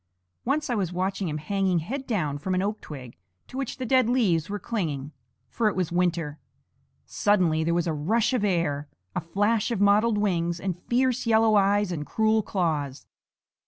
Once I was watching him hanging head down from an oak twig to which the dead leaves were clinging; for it was winter. Suddenly there was a rush of air, a flash of mottled wings and fierce yellow eyes and cruel claws.